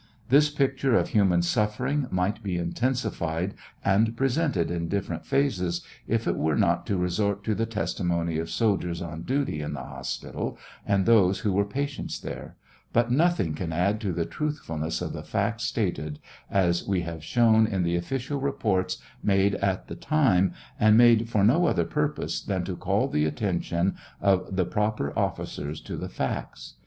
This picture of human suffering might be intensified and presented iti different phases, if we were to resort to the testimony of soldiers on duty in the hospital, and those who were patients there; but nothing can add to the truthfulness of the facts stated, as we have shown in ihe official reports made at the time, and made for no other purpose than to call the attention of the proper officers to the facts.